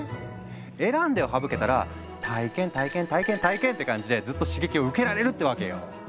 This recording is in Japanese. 「選んで」を省けたら「体験」「体験」「体験」「体験」って感じでずっと刺激を受けられるってわけよ。